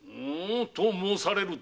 と申されると？